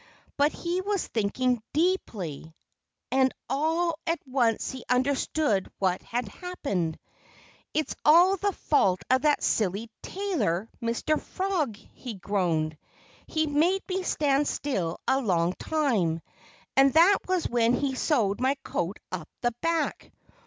But he was thinking deeply. And all at once he understood what had happened. "It's all the fault of that silly tailor, Mr. Frog!" he groaned. "He made me stand still a long time. And that was when he sewed my coat up the back....